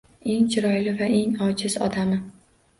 Eng chiroyli va eng ojiz odami.